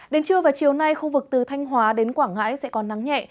đến trưa và chiều nay khu vực từ thanh hóa đến quảng ngãi sẽ có nắng nhẹ